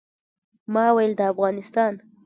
ما ویل د افغانستان.